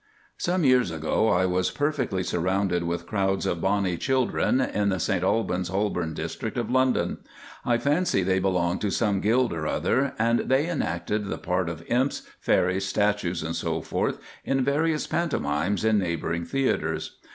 Some years ago I was perfectly surrounded with crowds of bonny children in the St Albans Holborn district of London. I fancy they belonged to some guild or other, and they enacted the part of imps, fairies, statues, &c., in various pantomimes in neighbouring theatres.